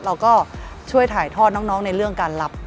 เราก็ช่วยถ่ายทอดน้องในเรื่องการรับ